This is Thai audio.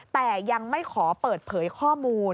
แต่ยังไม่ขอเปิดเผยข้อมูล